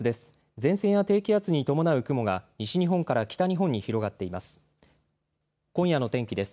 前線や低気圧に伴う雲が西日本から北日本に広がっています。